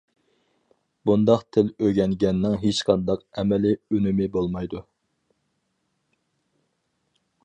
بۇنداق تىل ئۆگەنگەننىڭ ھېچقانداق ئەمەلىي ئۈنۈمى بولمايدۇ.